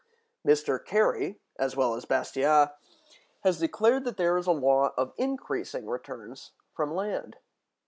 Mr. Carey (as well as Bastiat) has declared that there is a law of increasing returns from land.